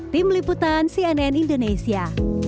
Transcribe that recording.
tim liputan cnn indonesia